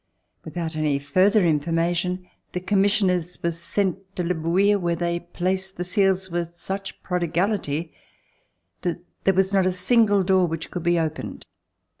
Without any further informa tion, the commissioners were sent to Le Bouilh where they placed the seals with such prodigality that there was not a single door which could be opened.